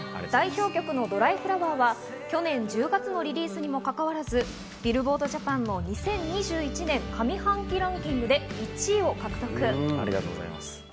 代表曲の『ドライフラワー』は去年１０月のリリースにもかかわらずビルボードジャパンの２０２１年上半期ランキングで１位を獲得。